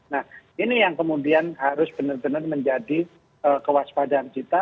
nah ini yang kemudian harus benar benar menjadi kewaspadaan kita